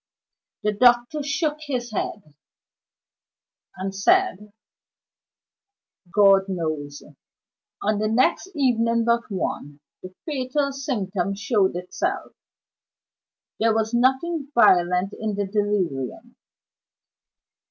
The doctor shook his head, and said "God knows." On the next evening but one, the fatal symptom showed itself. There was nothing violent in the delirium.